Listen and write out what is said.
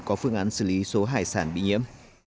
có phương án xử lý số hải sản bị nhiễm